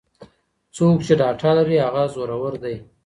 څوک چې ډاټا لري هغه زورور دی.